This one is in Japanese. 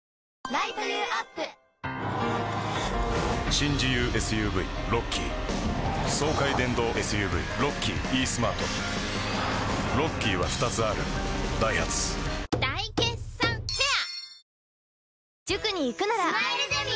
新自由ＳＵＶロッキー爽快電動ＳＵＶロッキーイースマートロッキーは２つあるダイハツ大決算フェア